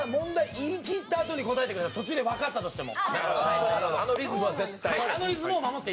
言い切ったあとに答えてください答えが分かったとしても。